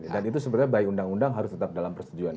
dan itu sebenarnya baik undang undang harus tetap dalam persetujuan